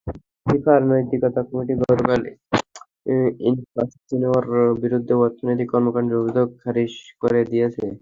ফিফার নৈতিকতা কমিটি গতকাল ইনফান্তিনোর বিরুদ্ধে অনৈতিক কর্মকাণ্ডের অভিযোগ খারিজ করে দিয়েছে।